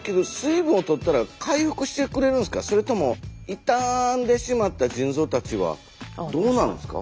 それともいたんでしまった腎臓たちはどうなるんですか？